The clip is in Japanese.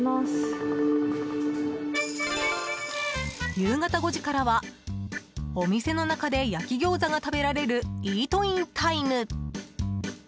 夕方５時からは、お店の中で焼き餃子が食べられるイートインタイム。